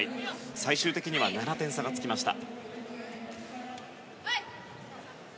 最終的には７点差がつきました。